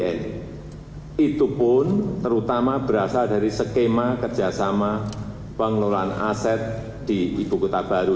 dan itu pun terutama berasal dari skema kerjasama pengelolaan aset di ibu kota baru